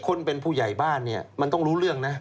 คนเป็นผู้ใหญ่บ้านเนี่ยมันต้องรู้เรื่องนะ